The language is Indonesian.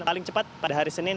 paling cepat pada hari senin